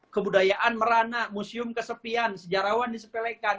kebudayaan merana museum kesepian sejarawan disepelekan